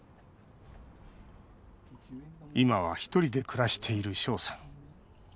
今は１人で暮らしている翔さん。